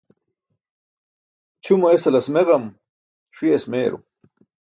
Ćʰumo esalas meġam, ṣiyas meyarum.